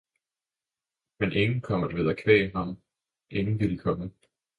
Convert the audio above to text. men Ingen kom at vederqvæge ham, Ingen vilde komme.